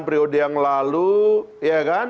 periode yang lalu ya kan